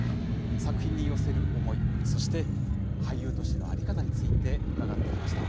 作品に寄せる思い、そして俳優としての在り方について伺ってきました。